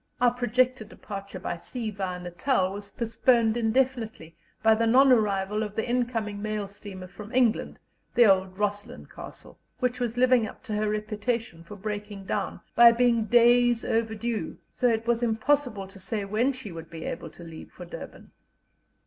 Our projected departure by sea via Natal was postponed indefinitely, by the non arrival of the incoming mail steamer from England, the old Roslin Castle, which was living up to her reputation of breaking down, by being days overdue, so that it was impossible to say when she would be able to leave for Durban.